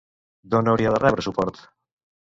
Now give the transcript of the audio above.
D'on hauria de rebre suport?